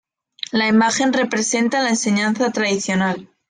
La imagen representa la enseñanza tradicional.